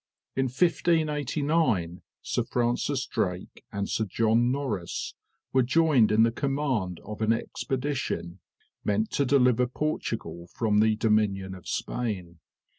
In 1589 Sir Francis Drake and Sir John Norris were joined in the command of an expedition, meant to deliver Portugal from the dominion of Spain.